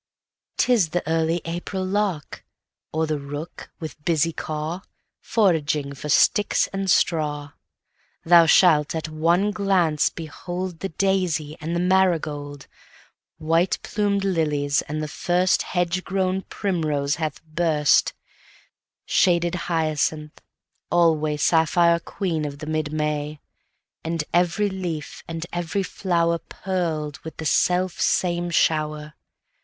'Tis the early April lark, Or the rooks, with busy caw, Foraging for sticks and straw. Thou shalt, at one glance, beholdThe daisy and the marigold; White plum'd lilies, and the firstHedge grown primrose that hath burst; Shaded hyacinth, alwaySapphire queen of the mid May; And every leaf, and every flowerPearled with the self same shower.